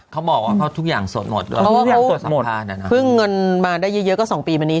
เขาบอกว่าเขาทุกอย่างสดหมดเพิ่งเงินมาได้เยอะเยอะก็สองปีมานี้